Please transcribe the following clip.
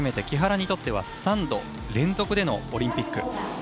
木原にとっては３度連続でのオリンピック。